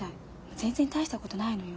全然大したことないのよ。